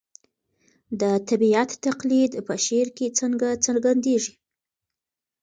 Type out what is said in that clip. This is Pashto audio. د طبیعت تقلید په شعر کې څنګه څرګندېږي؟